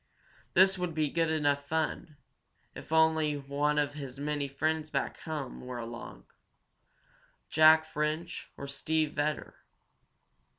This would be good enough fun, if only one of his many friends back home were along Jack French, or Steve Vedder.